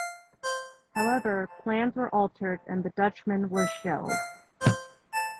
However, plans were altered and the Dutchman was shelved.